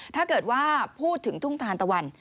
ถ้าเกิดว่าพูดถึงทุ่งทานตะวัน